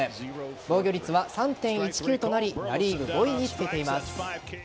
防御率は３．１９となりナ・リーグ５位につけています。